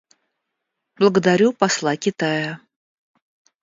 Благодарю посла Китая.